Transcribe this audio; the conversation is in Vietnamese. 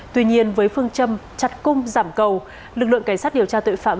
tuy nhiên với phương châm chặt cung giảm cầu lực lượng cảnh sát điều tra tội phạm